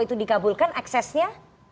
itu dikabulkan eksesnya